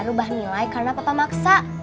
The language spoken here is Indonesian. rubah nilai karena papa maksa